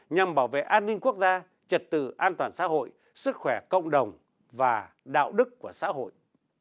nhằm bảo vệ an ninh quốc gia trật tự an toàn xã hội sức khỏe cộng đồng và đạo đức của xã hội